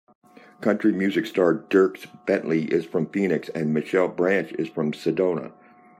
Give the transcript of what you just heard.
Country music star Dierks Bentley is from Phoenix and Michelle Branch is from Sedona.